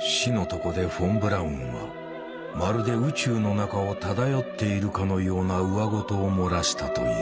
死の床でフォン・ブラウンはまるで宇宙の中を漂っているかのようなうわごとを漏らしたという。